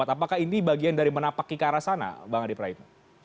apakah ini bagian dari menapak ikara sana bang hadi praip